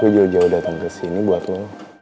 aku jauh jauh datang kesini buat lo